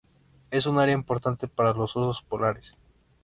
Es un área importante para los osos polares.